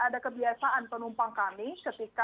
ada kebiasaan penumpang kan ada kebiasaan penumpang kan